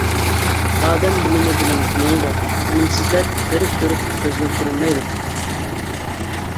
ئادەم بىلىمى بىلەن تونۇلىدۇ، بىلىمسىزلەر تىرىك تۇرۇپ كۆزگە كۆرۈنمەيدۇ.